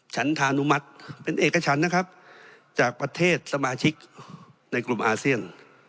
ฉันธานุมัติเป็นเอกฉันนะครับจากประเทศสมาชิกในกลุ่มอาเซียน